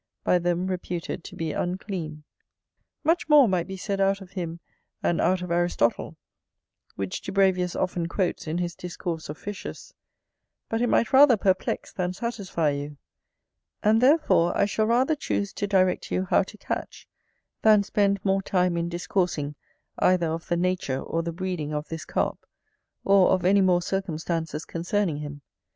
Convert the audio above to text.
by them reputed to be unclean. Much more might be said out of him, and out of Aristotle, which Dubravius often quotes in his Discourse of Fishes: but it might rather perplex than satisfy you; and therefore I shall rather choose to direct you how to catch, than spend more time in discoursing either of the nature or the breeding of this Carp, or of any more circumstances concerning him.